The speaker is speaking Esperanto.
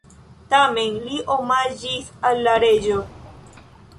Tamen li omaĝis al la reĝo.